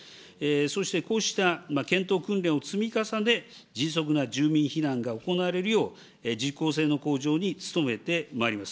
そして、こうした検討訓練を積み重ね、迅速な住民避難が行われるよう、実行性の向上に努めてまいります。